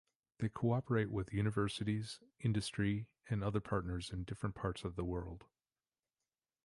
They cooperate with universities, industry, and other partners in different parts of the world.